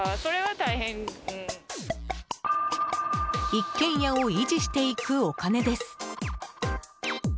一軒家を維持していくお金です。